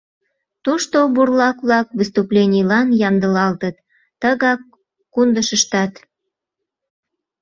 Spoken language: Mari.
Тушто бурлак-влак выступленийлан ямдылалтыт, тыгак — Кундышыштат.